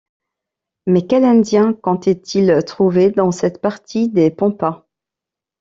Mais quels Indiens comptait-il trouver dans cette partie des Pampas?